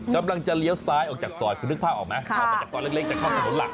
กำลังจะเลี้ยวซ้ายออกจากซอยคุณนึกภาพออกไหมออกมาจากซอยเล็กจะเข้าถนนหลัก